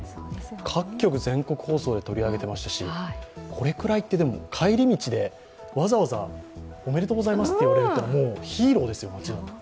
各局全国放送で取り上げていましたしこれくらいってでも、帰り道でわざわざおめでとうございますと言われるとヒーローですよね、町の。